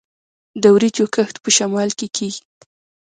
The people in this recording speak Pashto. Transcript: د وریجو کښت په شمال کې کیږي.